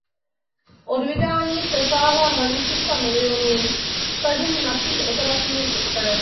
Od vydání přesáhla hranici sta milionů stažení napříč operačními systémy.